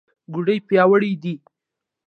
ګوډې پیاوړې دي.